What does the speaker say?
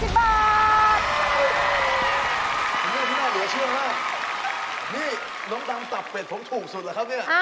นี่พี่น้องเดี๋ยวเชื่อมากนี่น้องดำตับเป็ดผมถูกสุดเหรอครับเนี่ย